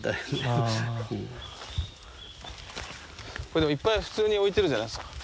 これでもいっぱい普通に置いてるじゃないすか。